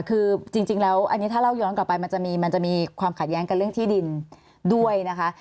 คือจริงแล้วอันนี้ถ้าเล่าย้อนกลับไปมันจะมีความขัดแย้งกันเรื่องที่ดินด้วยนะคะ